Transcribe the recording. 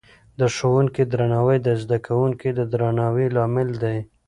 د ښوونکې درناوی د زده کوونکو د درناوي لامل دی.